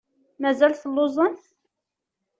Mazal telluẓem?